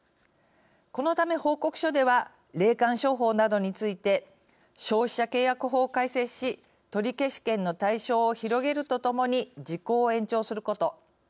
このため報告書では霊感商法などについて消費者契約法を改正し取消権の対象を広げるとともに時効を延長すること。